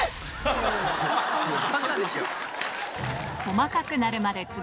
細かくなるまでつぶし